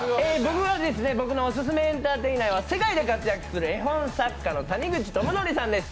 僕のオススメのエンターテイナーは世界で活躍する絵本作家の谷口智則さんです。